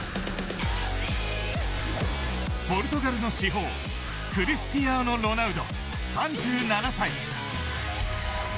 ポルトガルの至宝クリスティアーノロナウド３７歳。